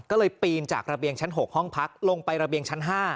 ก็เลยปีนจากระเบียงชั้น๖ห้องพักลงไประเบียงชั้น๕